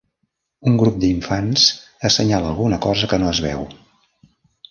Un grup d'infants assenyala alguna cosa que no es veu.